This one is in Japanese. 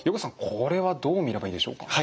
これはどう見ればいいでしょうか。